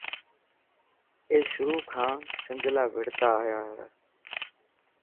اي شروع کان سنڌ لاءِ وڙهتا آيا هي.